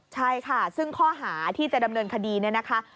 ใช่ค่ะซึ่งข้อหาที่จะดำเนินคดีเนี่ยนะคะ